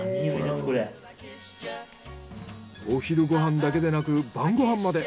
お昼ご飯だけでなく晩ご飯まで。